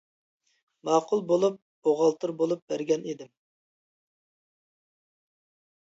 ماقۇل بولۇپ، بوغالتىر بولۇپ بەرگەن ئىدىم.